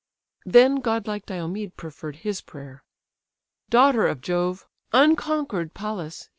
Then godlike Diomed preferr'd his prayer: "Daughter of Jove, unconquer'd Pallas!